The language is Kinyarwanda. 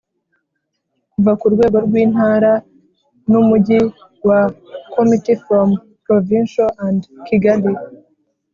kuva ku rwego rw Intara n Umujyi wa Committee from provincial and Kigali